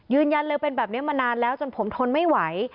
ยืนยันเลยเป็นแบบนี้มานานแล้วจนผมทนไม่ไหว